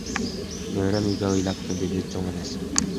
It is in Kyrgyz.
Неберем үйгө ыйлап келди, — деди чоң энеси.